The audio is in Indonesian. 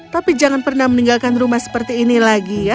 tapi jangan pernah meninggalkan rumah seperti ini lagi ya